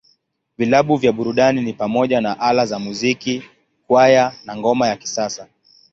Vilabu vya burudani ni pamoja na Ala za Muziki, Kwaya, na Ngoma ya Kisasa.